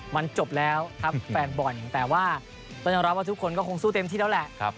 มันจบแล้วครับแฟนบอลแต่ว่าต้องยอมรับว่าทุกคนก็คงสู้เต็มที่แล้วแหละ